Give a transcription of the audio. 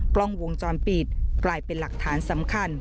กล้องวงจรปิดกลายเป็นหลักฐานสำคัญ